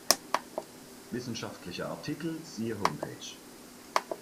Wissenschaftliche Artikel siehe Homepage